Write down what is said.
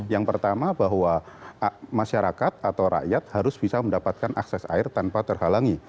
yang pertama bahwa masyarakat atau rakyat harus bisa mendapatkan akses air tanpa terhalangi